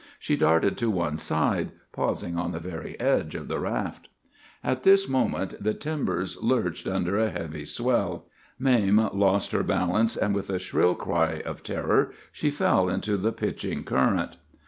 She darted to one side, pausing on the very edge of the raft. "At this moment the timbers lurched under a heavy swell. Mame lost her balance, and with a shrill cry of terror she fell into the pitching current.